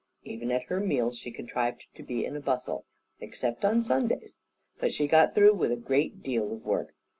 Even at her meals she contrived to be in a bustle, except on Sundays; but she got through a great deal of work.